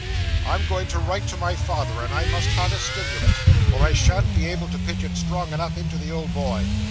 I'm going to write to my father, and I must have a stimulant, or I shan't be able to pitch it strong enough into the old boy.